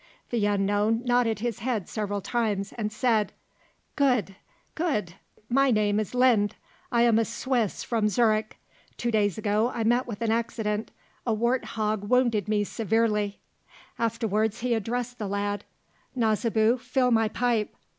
The unknown nodded his head several times, and said: "Good, good, my name is Linde; I am a Swiss from Zurich. Two days ago I met with an accident. A wart hog wounded me severely." Afterwards he addressed the lad: "Nasibu, fill my pipe."